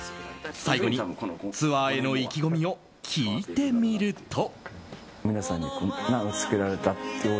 最後にツアーへの意気込みを聞いてみると。